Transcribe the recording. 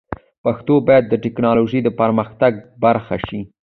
پښتو باید د ټکنالوژۍ د پرمختګ برخه شي.